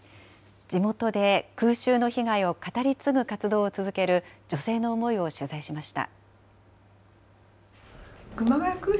地元で空襲の被害を語り継ぐ活動を続ける女性の思いを取材しました。